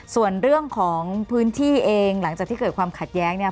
ส่วนเรื่องของพื้นที่เองหลังจากที่เกิดความขัดแย้งเนี่ย